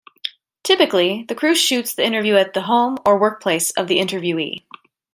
Typically the crew shoots the interview at the home or workplace of the interviewee.